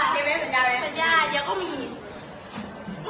มีไปสัญญาไหม